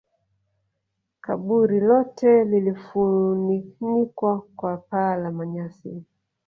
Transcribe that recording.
kaburi lote lilifunikwa kwa paa la manyasi